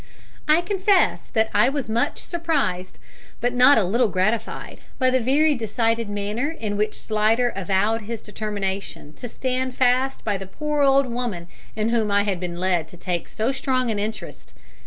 I confess that I was much surprised, but not a little gratified, by the very decided manner in which Slidder avowed his determination to stand fast by the poor old woman in whom I had been led to take so strong an interest.